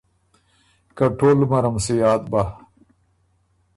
که ټول عمرم سُو یاد بۀ۔